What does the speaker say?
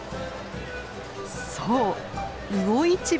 そう魚市場！